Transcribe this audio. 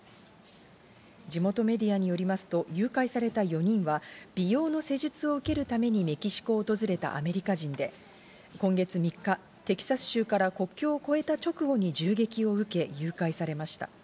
地元メディアによりますと、誘拐された４人は美容の施術を受けるためにメキシコを訪れたアメリカ人で、今月３日、テキサス州から国境を越えた直後に銃撃を受け誘拐されました。